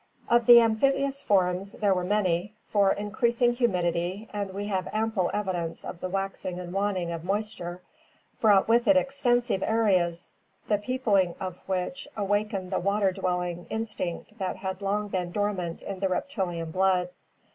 — Of the amphibious forms there were many, for increasing humidity— and we have ample evidence of the waxing and waning of moisture — brought with it extensive areas the peopling of which awakened the water dwelling instinct that had long been dormant in the reptilian blood.